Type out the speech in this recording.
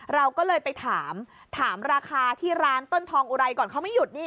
เราก็เลยไปถามถามราคาที่ร้านต้นทองอุไรก่อนเขาไม่หยุดนี่